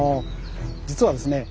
実はですね